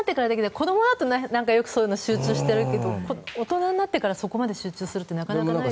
子供だと、よく集中してるけど大人になってからそこまで集中するってなかなかないですね。